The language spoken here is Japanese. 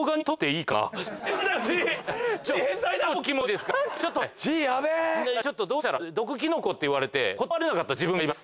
いやちょっとどうしたら毒キノコって言われて断れなかった自分がいます。